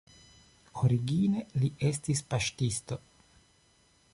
Origine li estis paŝtisto.